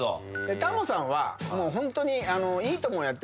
タモさんはホントに。